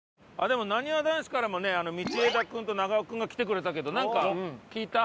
でもなにわ男子からもね道枝君と長尾君が来てくれたけどなんか聞いた？